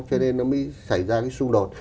cho nên nó mới xảy ra cái xung đột